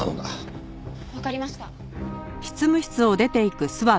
わかりました。